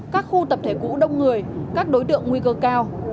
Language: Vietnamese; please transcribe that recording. các khu tập thể cũ đông người các đối tượng nguy cơ cao